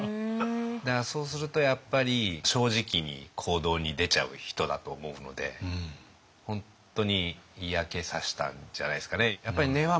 だからそうするとやっぱり正直に行動に出ちゃう人だと思うので本当に嫌気さしたんじゃないですかね。